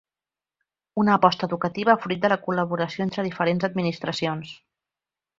Una aposta educativa fruit de la col·laboració entre diferents administracions.